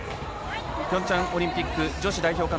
ピョンチャンオリンピック女子代表